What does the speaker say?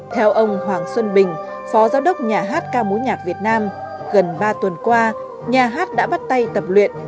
theo ông hoàng xuân bình phó giáo đốc nhà hát ca mối nhạc việt nam gần ba tuần qua nhà hát đã bắt tay tập luyện